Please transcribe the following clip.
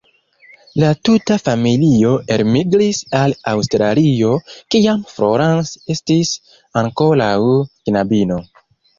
La tuta familio elmigris al Aŭstralio, kiam Florence estis ankoraŭ knabino.